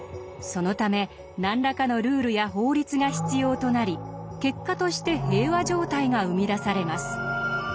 そのため何らかのルールや法律が必要となり結果として平和状態が生み出されます。